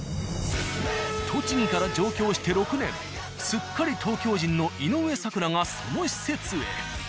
栃木から上京して６年すっかり東京人の井上咲楽がその施設へ。